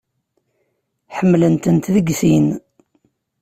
Ḥemmlent-tent deg sin.